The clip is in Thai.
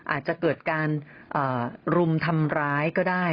อาจจะเกิดการรุมทำร้ายก็ได้